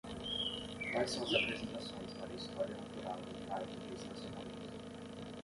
Quais são as apresentações para a história natural do parque de estacionamento